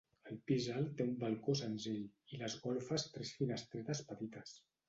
El pis alt té un balcó senzill i les golfes tres finestretes petites.